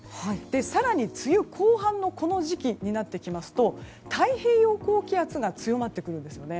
更に、梅雨後半のこの時期になってきますと太平洋高気圧が強まってくるんですね。